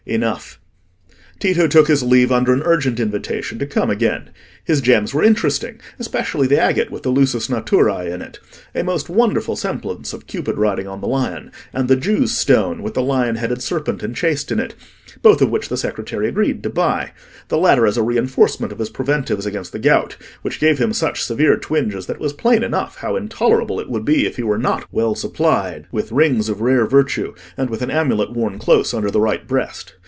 Enough: Tito took his leave under an urgent invitation to come again. His gems were interesting; especially the agate, with the lusus naturae in it—a most wonderful semblance of Cupid riding on the lion; and the "Jew's stone," with the lion headed serpent enchased in it; both of which the secretary agreed to buy—the latter as a reinforcement of his preventives against the gout, which gave him such severe twinges that it was plain enough how intolerable it would be if he were not well supplied with rings of rare virtue, and with an amulet worn close under the right breast.